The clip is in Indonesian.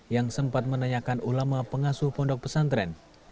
yang sempat menanyakan ulama pengasuh pondok pesantren